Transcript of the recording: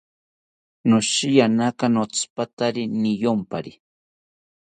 Noshiyanaka notzipatari niyompari